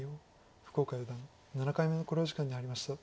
福岡四段７回目の考慮時間に入りました。